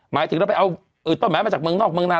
หมายถึงเราไปเอาต้นไม้มาจากเมืองนอกเมืองนาน